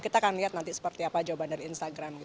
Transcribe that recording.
kita akan lihat nanti seperti apa jawaban dari instagram